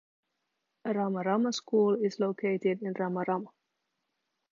Ramarama School is located in Ramarama.